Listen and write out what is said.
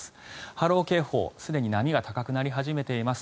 波浪警報、すでに波が高くなり始めています。